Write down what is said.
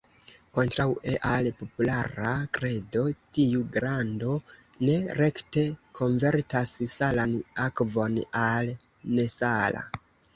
Kontraŭe al populara kredo, tiu glando ne rekte konvertas salan akvon al nesala.